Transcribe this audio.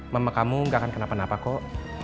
mama kamu gak akan kenapa napa kok